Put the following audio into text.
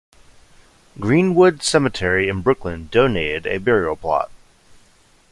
Green-Wood Cemetery in Brooklyn donated a burial plot.